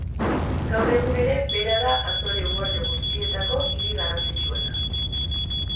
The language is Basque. Gaur egun ere bera da Azore uharte guztietako hiri garrantzitsuena.